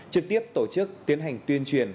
trực tiếp tổ chức tiến hành tuyên truyền